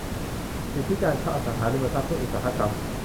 สิทธิการเช่าอสังหาริมทรัพย์เพื่ออุตสาหกรรม